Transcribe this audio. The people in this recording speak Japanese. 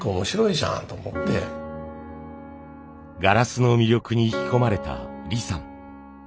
ガラスの魅力に引き込まれた李さん。